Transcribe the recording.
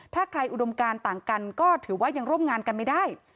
ถ้าใครอุดมการต่างกันก็ถือว่ายังร่วมงานกันไม่ได้